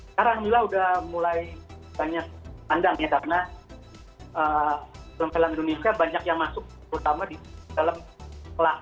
sekarang juga sudah mulai banyak pandang ya karena film film indonesia banyak yang masuk